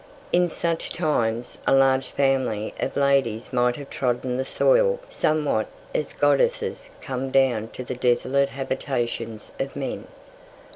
In such times a large family of ladies might have trodden the soil somewhat as goddesses come down to the desolate habitations of men.